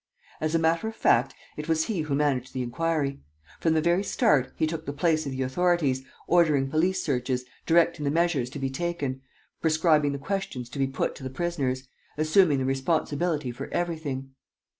As a matter of fact, it was he who managed the inquiry. From the very start, he took the place of the authorities, ordering police searches, directing the measures to be taken, prescribing the questions to be put to the prisoners, assuming the responsibility for everything.